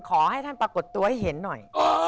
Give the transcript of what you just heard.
ขอให้ท่านปรากฏตัวให้เห็นหน่อย